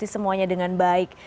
semuanya dengan baik